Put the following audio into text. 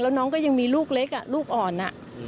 แล้วน้องก็ยังมีลูกเล็กลูกอ่อน